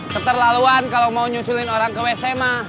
keterlaluan kalau mau nyusulin orang ke wc ma